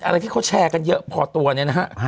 อะไรที่เขาแชร์กันเยอะพอตัวเนี่ยนะฮะ